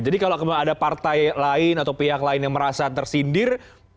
jadi kalau ada partai lain atau pihak lain yang merasa tersindir